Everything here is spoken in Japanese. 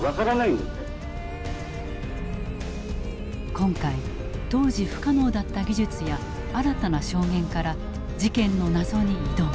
今回当時不可能だった技術や新たな証言から事件の謎に挑む。